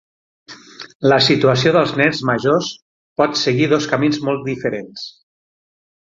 La situació dels nens majors pot seguir dos camins molt diferents.